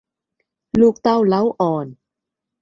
ลูกเต้าเล้าอ่อน